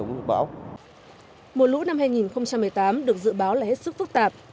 mùa lũ năm hai nghìn một mươi tám được dự báo là hết sức phức tạp